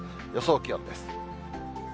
予想気温です。